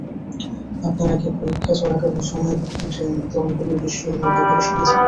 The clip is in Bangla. আপনারা কি পরীক্ষাচলাকালীন সময়ে ড্রোনগুলোর বিস্ফোরণের ব্যাপারে শুনেছেন?